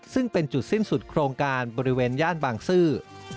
ซึ่งเป็นจุดสิ้นสุดโครงการบริเวณย่านบางซื่อ